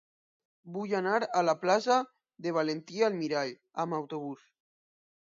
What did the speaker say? Vull anar a la plaça de Valentí Almirall amb autobús.